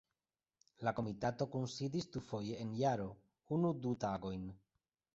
La Komitato kunsidis dufoje en jaro, unu-du tagojn.